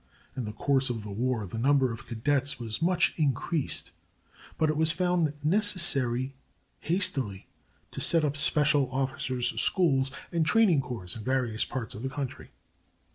In the course of the war the number of cadets was much increased; but it was found necessary hastily to set up special officers' schools and training corps in various parts of the country.